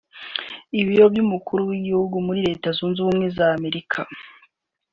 Ibiro by’Umukuru w’Igihugu muri Leta Zunze Ubumwe za Amerika